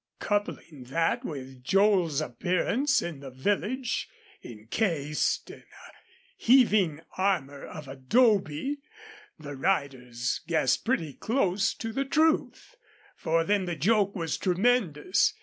Coupling that with Joel's appearance in the village incased in a heaving armor of adobe, the riders guessed pretty close to the truth. For them the joke was tremendous.